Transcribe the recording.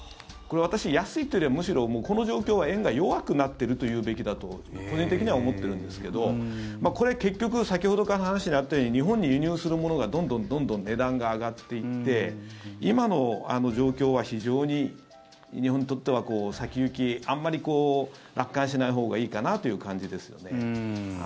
これ私、安いというよりはむしろ、この状況は円が弱くなっていると言うべきだと個人的には思ってるんですけどこれ、結局先ほどから話にあったように日本に輸入するものがどんどん値段が上がっていって今の状況は非常に日本にとっては先行き、あまり楽観しないほうがいいかなという感じですよね。